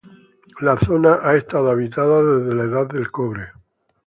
La zona ha estado habitada desde la Edad del Cobre.